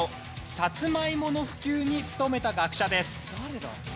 サツマイモの普及に努めた学者です。